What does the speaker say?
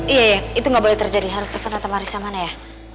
iya iya itu gak boleh terjadi harus telfon tante marissa mana ya